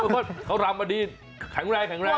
ไม่โคตรเขารำมาดีแข็งแรง